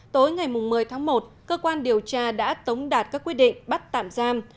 tối ngày một mươi tháng một cơ quan điều tra đã tống đạt các quyết định bắt tạm giam